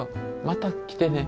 また来てね。